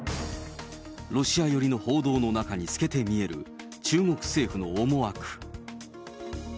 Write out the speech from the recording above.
ロシア寄りの報道の中に透けて見える中国政府の思惑。